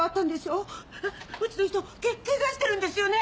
うちの人怪我してるんですよね！？